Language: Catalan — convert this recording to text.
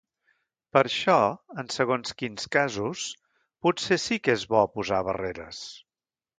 Per això, en segons quins casos, potser sí que és bo posar barreres.